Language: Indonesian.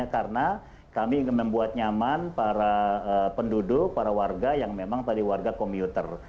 karena kami ingin membuat nyaman para penduduk para warga yang memang tadi warga komuter